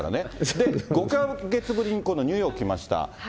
で、５か月ぶりに、このニューヨーク来ました。